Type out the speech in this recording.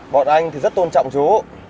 bọn anh thì rất tôn trọng chú